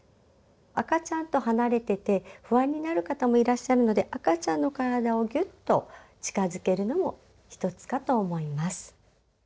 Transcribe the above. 赤ちゃんと離れてて不安になる方もいらっしゃるので赤ちゃんの体をぎゅっと近づけるのも一つかと思います。